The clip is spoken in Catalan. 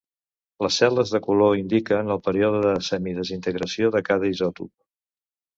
Les cel·les de color indiquen el període de semidesintegració de cada isòtop.